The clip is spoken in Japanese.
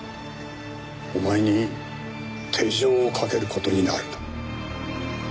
お前に手錠をかける事になるんだ。